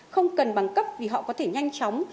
không cần bằng cấp vì họ có thể nhanh chóng